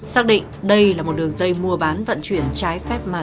xác định đây là một đường dây mua bán vận chuyển trái phép ma túy